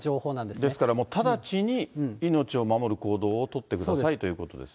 ですから直ちに命を守る行動を取ってくださいということです